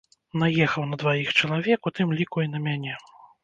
Наехаў на дваіх чалавек, у тым ліку і на мяне.